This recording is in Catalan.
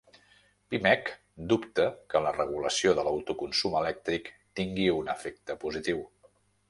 Pimec dubta que la regulació de l'autoconsum elèctric tingui un efecte positiu